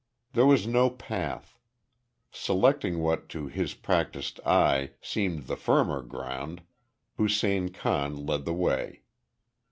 There was no path. Selecting what to his practised eye seemed the firmer ground, Hussein Khan led the way.